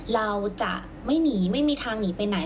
เราจะไม่หนีไม่มีทางหนีไปไหน